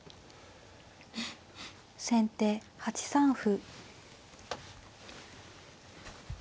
先手８三歩。